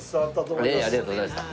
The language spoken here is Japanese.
いえありがとうございました。